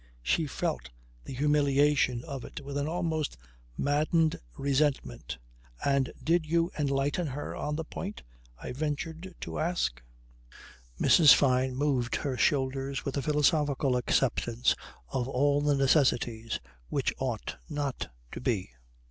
She felt the humiliation of it with an almost maddened resentment. "And did you enlighten her on the point?" I ventured to ask. Mrs. Fyne moved her shoulders with a philosophical acceptance of all the necessities which ought not to be.